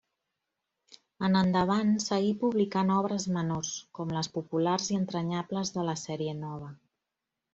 En endavant seguí publicant obres menors, com les populars i entranyables de la Sèrie Nova.